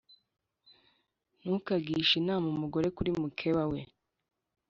Ntukagishe inama umugore kuri mukeba we,